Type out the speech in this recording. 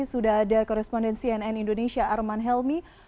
sudah ada korespondensi nn indonesia arman helmi